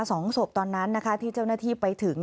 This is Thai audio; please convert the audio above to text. สองศพตอนนั้นนะคะที่เจ้าหน้าที่ไปถึง